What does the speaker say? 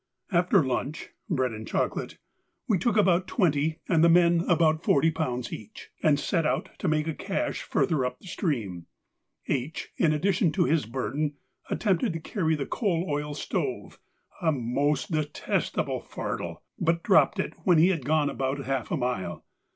After lunch (bread and chocolate) we took about twenty and the men about forty pounds each, and set out to make a cache further up the stream; H., in addition to his burden, attempted to carry the coal oil stove, a most detestable fardel, but dropped it when he had gone about half a mile.